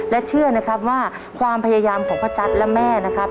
และเชื่อนะครับว่าความพยายามของพระจันทร์และแม่นะครับ